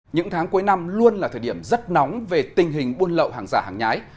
những tháng cuối năm luôn là thời điểm rất nóng về tình hình buôn lậu hàng giả hàng nhái